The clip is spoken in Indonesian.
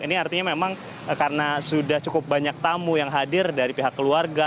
ini artinya memang karena sudah cukup banyak tamu yang hadir dari pihak keluarga